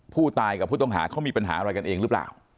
ผู้ตายกับผู้ต้องหาเขามีปัญหาอะไรกันเองหรือเปล่า